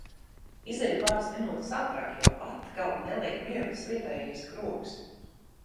Izeju pāris minūtes ātrāk, jo atkal neliek mieru tas vietējais krogs.